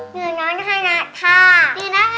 เหน๋นน้ำนะคะ